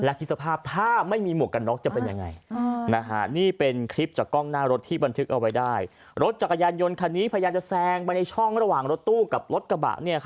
และคิดสภาพถ้าไม่มีหมวกกันน๊อกจะเป็นยังไง